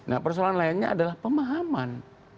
nah persoalan lainnya adalah pemahaman